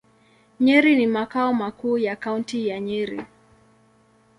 Nyeri ni makao makuu ya Kaunti ya Nyeri.